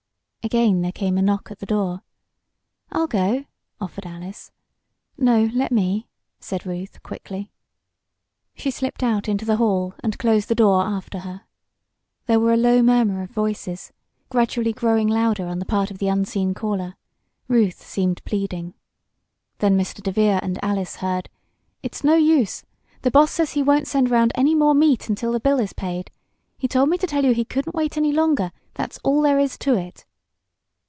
Again there came a knock at the door. "I'll go," offered Alice. "No, let me," said Ruth, quickly. She slipped out into the hall, and closed the door after her. There was a low murmur of voices, gradually growing louder on the part of the unseen caller. Ruth seemed pleading. Then Mr. DeVere and Alice heard: "It's no use. The boss says he won't send around any more meat until the bill is paid. He told me to tell you he couldn't wait any longer that's all there is to it!"